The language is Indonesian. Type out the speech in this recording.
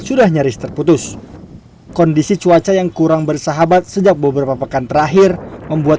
sudah nyaris terputus kondisi cuaca yang kurang bersahabat sejak beberapa pekan terakhir membuat